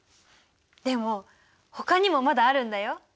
でもほかにもまだあるんだよ。